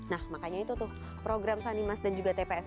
nah makanya itu tuh program sanimas dan juga tps